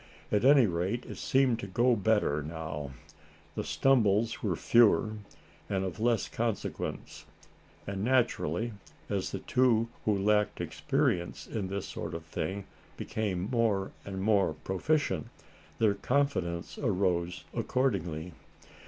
At any rate it seemed to go better now. The stumbles were fewer, and of less consequence, and naturally, as the two who lacked experience in this sort of thing, became more and more proficient, their confidence arose accordingly.